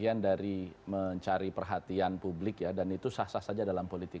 bagian dari mencari perhatian publik ya dan itu sah sah saja dalam politik